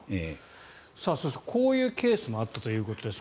そして、こういうケースもあったということです。